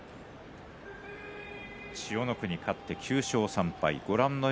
千代の国勝って９勝３敗です。